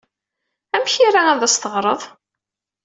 Amek ay ira ad as-teɣreḍ?